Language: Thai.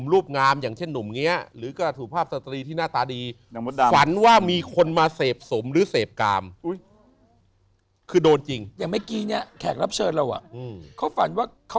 รูปเวทนาสังขารวิญญาณ